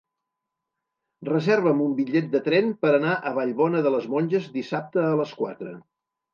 Reserva'm un bitllet de tren per anar a Vallbona de les Monges dissabte a les quatre.